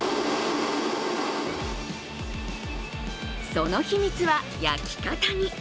その秘密は、焼き方に。